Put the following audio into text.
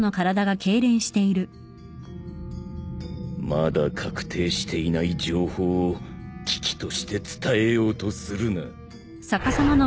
まだ確定していない情報を喜々として伝えようとするな。